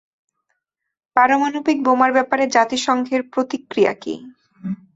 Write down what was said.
পারমাণবিক বোমার ব্যাপারে জাতিসংঘের প্রতিক্রিয়া কী?